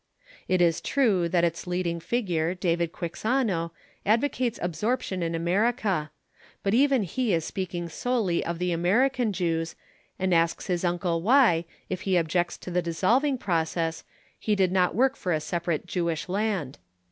It is true that its leading figure, David Quixano, advocates absorption in America, but even he is speaking solely of the American Jews and asks his uncle why, if he objects to the dissolving process, he did not work for a separate Jewish land.